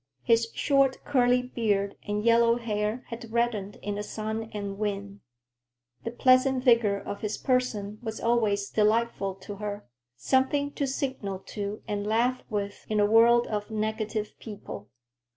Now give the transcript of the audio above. His short curly beard and yellow hair had reddened in the sun and wind. The pleasant vigor of his person was always delightful to her, something to signal to and laugh with in a world of negative people.